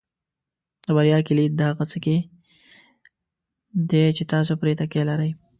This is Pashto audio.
د بریا کلید د هغه څه کې دی چې تاسو پرې تکیه لرئ.